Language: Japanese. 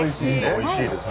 おいしいです。